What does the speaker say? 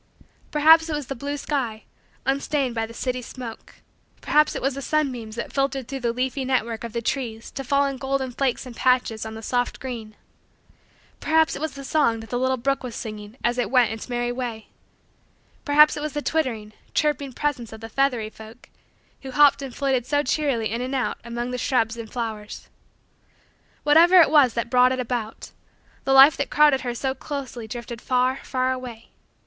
] Perhaps it was the blue sky, unstained by the city smoke: perhaps it was the sunbeams that filtered through the leafy net work of the trees to fall in golden flakes and patches on the soft green: perhaps it was the song that the little brook was singing as it went its merry way: perhaps it was the twittering, chirping, presence of the feathery folk who hopped and flitted so cheerily in and out among the shrubs and flowers whatever it was that brought it about, the life that crowded her so closely drifted far, far, away.